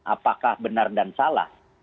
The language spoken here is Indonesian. apakah benar dan salah